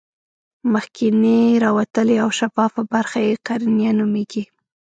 مخکینۍ راوتلې او شفافه برخه یې قرنیه نومیږي.